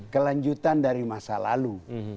kelanjutan dari masa lalu